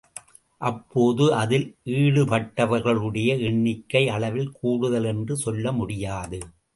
அப்போது அதில் ஈடுபட்டவர்களுடைய எண்ணிக்கை அளவில் கூடுதல் என்று சொல்ல முடியாது.